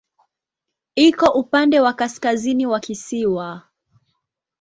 Iko upande wa kaskazini wa kisiwa.